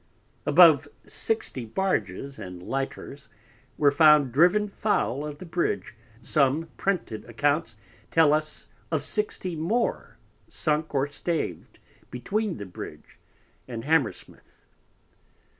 Above 60 Barges and Lighters were found driven foul of the Bridge: some Printed accounts tell us of sixty more sunk or staved between the Bridge and Hammersmith.